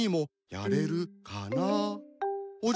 やれるかな？